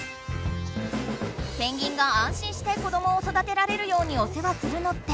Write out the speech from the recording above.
ペンギンがあん心して子どもをそだてられるようにおせわするのって